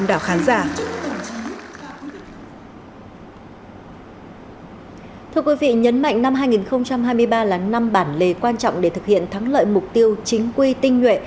thưa quý vị nhấn mạnh năm hai nghìn hai mươi ba là năm bản lề quan trọng để thực hiện thắng lợi mục tiêu chính quy tinh nhuệ